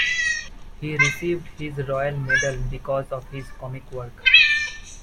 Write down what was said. He received this royal medal because of his comic work.